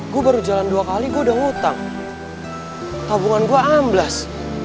gue baru jalan dua kali gue udah ngutang tabungan gue amblas